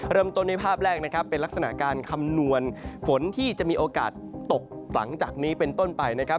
เริ่มต้นในภาพแรกนะครับเป็นลักษณะการคำนวณฝนที่จะมีโอกาสตกหลังจากนี้เป็นต้นไปนะครับ